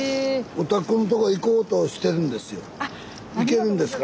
おたくのとこ行こうとしてるんですよ。